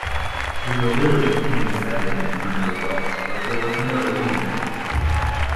The nobility came second in terms of wealth, but there was no unity.